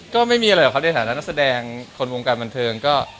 ก็ไม่มีอะไรหรอกครับในฐานะนักแสดงคนวงการบันเทิงก็